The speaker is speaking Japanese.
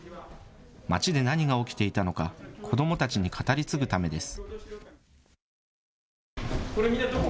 町で何が起きていたのか、子どもたちに語り継ぐためです。